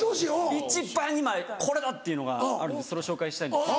一番今これだ！っていうのがあるんでそれを紹介したいんですけど。